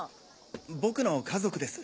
僕の家族です。